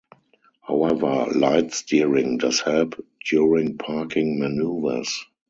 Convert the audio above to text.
However, light steering does help during parking maneuvers.